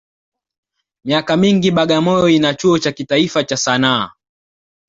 Miaka mingi Bagamoyo ina chuo cha kitaifa cha Sanaa